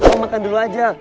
lo makan dulu aja